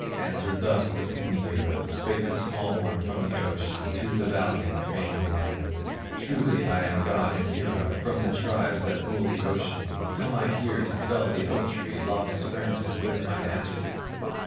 Answered thus the pigmy hero, Spake the small one from the ocean To the valiant Wainamoinen: "Truly am I god and hero, From the tribes that rule the ocean; Come I here to fell the oak tree, Lop its branches with my hatchet."